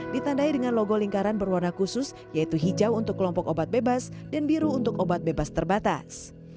ditandai dengan logo lingkaran berwarna khusus yaitu hijau untuk kelompok obat bebas dan biru untuk obat bebas terbatas